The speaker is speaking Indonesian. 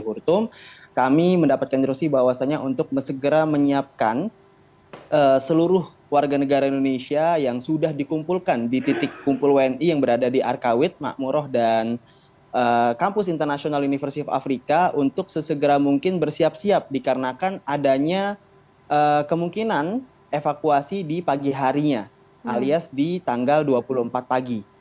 kbr hurtum juga mendapatkan instruksi bahwasannya untuk segera menyiapkan seluruh warga negara indonesia yang sudah dikumpulkan di titik kumpul wni yang berada di arkawit makmuroh dan kampus internasional universitas afrika untuk sesegera mungkin bersiap siap dikarenakan adanya kemungkinan evakuasi di pagi harinya alias di tanggal dua puluh empat pagi